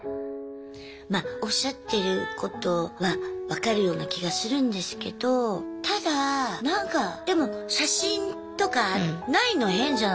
まおっしゃってることは分かるような気がするんですけどただなんかでも写真とかないの変じゃないすかだって０から３まで。